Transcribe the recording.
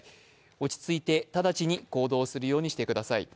落ち着いて直ちに行動するようにしてください。